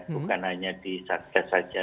bukan hanya di satgas saja